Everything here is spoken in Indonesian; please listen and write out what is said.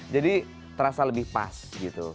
terasa lebih pas gitu